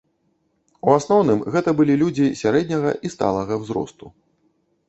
У асноўным гэта былі людзі сярэдняга і сталага ўзросту.